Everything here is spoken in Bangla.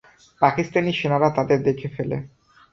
পাকিস্তানি সেনারা তাদের দেখে ফেলে।